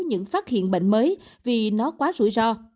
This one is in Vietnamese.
những phát hiện bệnh mới vì nó quá rủi ro